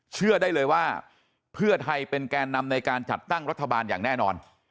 เชื่อได้เลยว่าเพื่อไทยเป็นแกนนำในการจัดตั้งรัฐบาลอย่างแน่นอน